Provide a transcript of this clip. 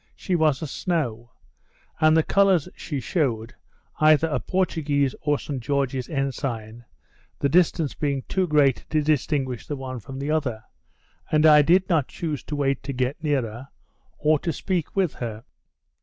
She was a snow; and the colours she shewed, either a Portuguese or St George's ensign, the distance being too great to distinguish the one from the other, and I did not choose to wait to get nearer, or to speak with her.